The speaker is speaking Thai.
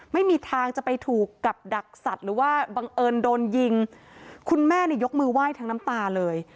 ไม่มีทางจะไปถูกกับดักสัตว์หรือว่าบังเอิญโดนยิงคุณแม่เนี่ยยกมือไหว้ทั้งน้ำตาเลย